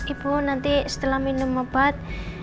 ibu nanti setelah minum obat